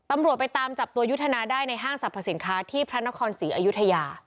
ตำรวจไปตามจับตัวยุทธนาได้ในห้างสรรพสินค้าที่พระนครศรีอยุธยา